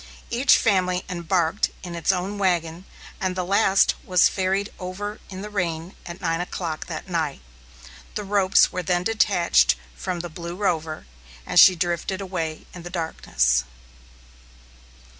Each family embarked in its own wagon, and the last was ferried over in the rain at nine o'clock that night. The ropes were then detached from the Blue Rover, and she drifted away in the darkness.